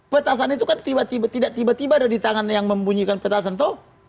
petasan itu kan tiba tiba tidak tiba tiba ada di tangan yang membunyikan petasan itu